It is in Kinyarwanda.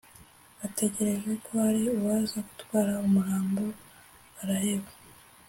bategereje ko hari uwaza gutwara umurambo baraheba